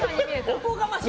おこがましいです。